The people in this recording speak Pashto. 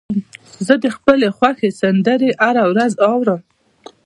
زه د خپلو خوښې سندرې هره ورځ اورم.